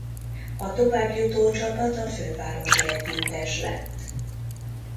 A továbbjutó csapat a fővárosi együttes lett.